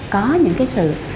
có những cái sự